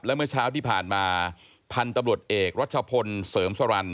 และเมื่อเช้าที่ผ่านมาพันธุ์ตำรวจเอกรัชพลเสริมสรรค